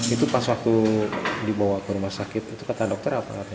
itu pas waktu dibawa ke rumah sakit itu kata dokter apa